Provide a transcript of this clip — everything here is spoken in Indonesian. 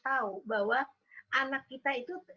tahu bahwa anak kita itu